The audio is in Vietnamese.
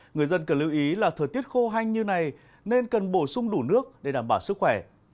người dân cần lưu ý là thời tiết khô hanh như này nên cần bổ sung đủ nước để đảm bảo sức khỏe